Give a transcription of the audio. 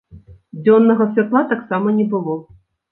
Дзённага святла таксама не было.